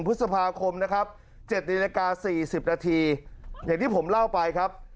พฤษภาคมนะครับ๗นาฬิกา๔๐นาทีอย่างที่ผมเล่าไปครับ